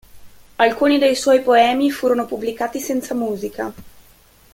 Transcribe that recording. Alcuni dei suoi poemi furono pubblicati senza musica.